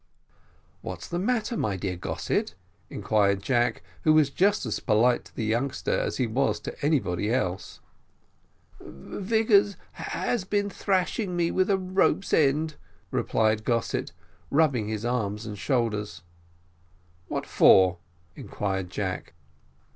"What's the matter, my dear Mr Gossett?" inquired Jack, who was just as polite to the youngster as he was to anybody else. "Vigors has been thrashing me with a rope's end," replied Gossett, rubbing his arm and shoulders. "What for?" inquired Jack.